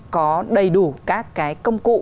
có đầy đủ các cái công cụ